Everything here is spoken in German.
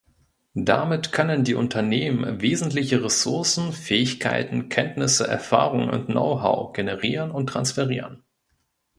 Damit können die Unternehmen wesentliche Ressourcen, Fähigkeiten, Kenntnisse, Erfahrungen und Know-how generieren und transferieren.